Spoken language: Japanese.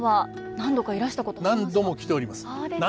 何度も来ております。